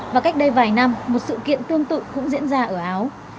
và cách đây vài năm một sự kiện tương tự cũng diễn ra ở áo